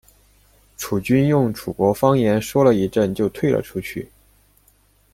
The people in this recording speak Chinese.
楚军用楚国方言说了一阵就退了出去。